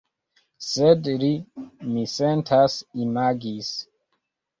Sed li, mi sentas, imagis.